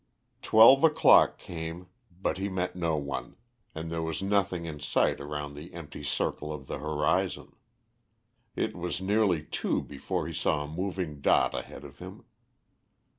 Twelve o'clock came, but he met no one, and there was nothing in sight around the empty circle of the horizon. It was nearly two before he saw a moving dot ahead of him.